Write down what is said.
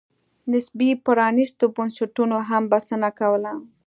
نسبي پرانېستو بنسټونو هم بسنه کوله.